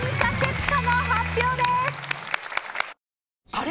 あれ？